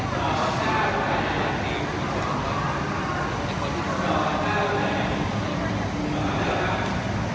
สาธิตรีสาธิตรีสาธิตรีสาธิตรี